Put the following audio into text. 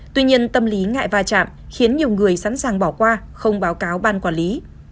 tuy nhiên tâm lý ngại va chạm khiến nhiều người sẵn sàng bỏ qua không báo cáo ban quản lý